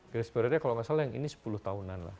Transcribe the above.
geris prioritasnya kalau gak salah yang ini sepuluh tahunan lah